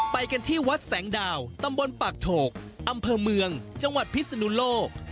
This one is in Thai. ไปกันที่วัดแสงดาวตำบลปากโฉกอำเภอเมืองจังหวัดพิศนุโลก